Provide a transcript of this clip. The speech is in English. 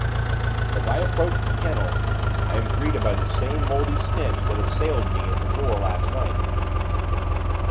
As I approach the kennel, I am greeted by the same mouldy stench that assailed me at the door last night.